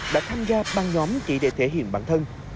đã tham gia băng nhóm chỉ để thể hiện bản thân